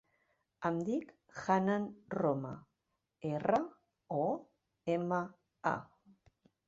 Em dic Hannah Roma: erra, o, ema, a.